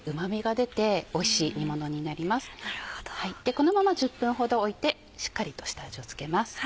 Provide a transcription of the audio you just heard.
このまま１０分ほどおいてしっかり下味を付けます。